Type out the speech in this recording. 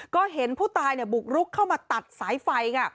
ก็เห็นผู้ตายบุกรุกเข้ามาตัดสายไฟค่ะ